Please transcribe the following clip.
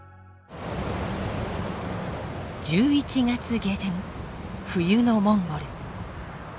１１月下旬冬のモンゴル。